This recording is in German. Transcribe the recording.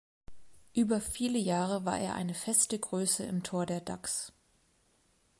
Über viele Jahre war er eine feste Größe im Tor der Ducks.